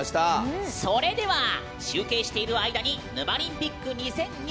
それでは集計している間に「ヌマリンピック２０２２」